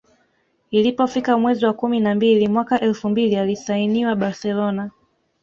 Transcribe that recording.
Ilipofika mwezi wa kumi na mbili mwaka elfu mbili alisainiwa Barcelona